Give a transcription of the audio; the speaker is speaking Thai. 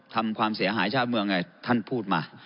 ทำความเสียหายชาติเมืองไงท่านพูดมา